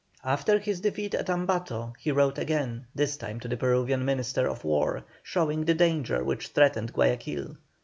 After his defeat at Ambato, he wrote again, this time to the Peruvian Minister of War, showing the danger which threatened Guayaquil.